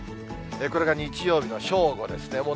これが日曜日の正午ですね。